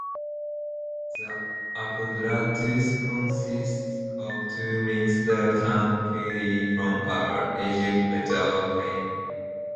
The apparatus consists of two rings that hang freely from a rigid metal frame.